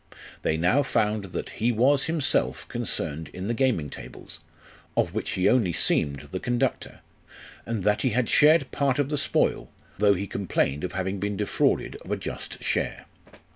They now found that he was himself concerned in the gaming tables, of which he only seemed the conductor ; and that he had shared part of the spoil, though he complained of having been defrauded of a just share.